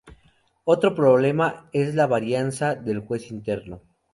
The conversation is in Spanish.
Otro problema es la varianza del juez interno.